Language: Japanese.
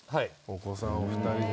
お子さんお二人で。